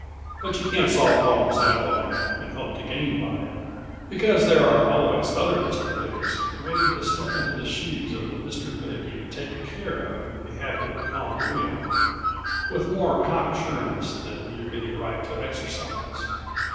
But you can't solve problems that way and hope to gain by it ... because there are always other Mr. Bigs waiting to step into the shoes of the Mr. Big you've taken care of in behalf of the common weal, with more cocksureness than you've any right to exercise.